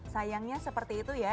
sayangnya seperti itu ya